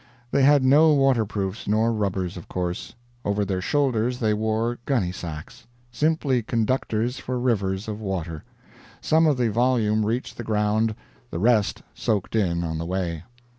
They had no waterproofs nor rubbers, of course; over their shoulders they wore gunnysacks simply conductors for rivers of water; some of the volume reached the ground; the rest soaked in on the way.